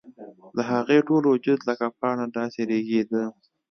د هغې ټول وجود لکه پاڼه داسې رېږدېده